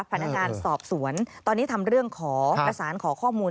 พนักงานสอบสวนตอนนี้ทำเรื่องขอประสานขอข้อมูล